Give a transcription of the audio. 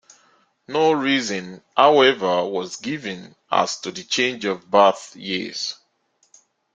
No reason, however, was given as to the change of birth years.